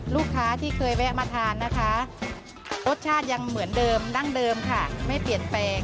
ลูกค้าที่เคยแวะมาทานนะคะรสชาติยังเหมือนเดิมดั้งเดิมค่ะไม่เปลี่ยนแปลง